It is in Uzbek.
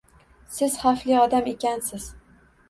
Siz xavfli odam ekansiz